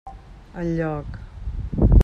Enlloc.